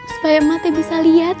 supaya mak teh bisa lihat